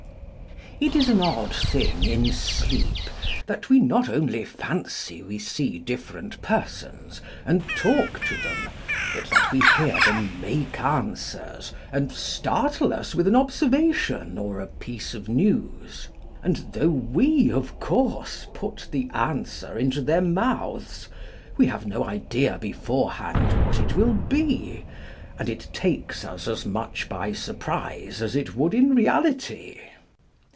It is an odd thing in sleep, that we not only fancy we see different persons, and talk to them, but that we hear them make answers, and startle us with an observation or a piece of news ; and though we of course put the answer into their mouths, we have no idea beforehand what it will be, and it takes us as much by surprise as it would in reality.